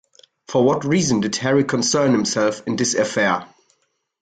For what reason did Harry concern himself in this affair?